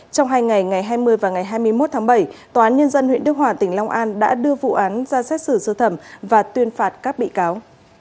trong hai ngày ngày hai mươi và ngày hai mươi một tháng bảy tòa án nhân dân huyện đức hòa tỉnh long an đã đưa vụ án ra xét xử sơ thẩm và tuyên phạt các bị cáo